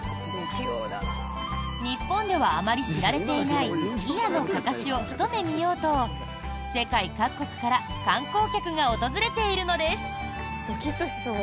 日本ではあまり知られていない祖谷のかかしをひと目見ようと世界各国から観光客が訪れているのです。